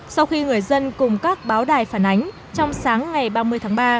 sau khi người dân cùng các báo đài phản ánh trong sáng ngày ba mươi tháng ba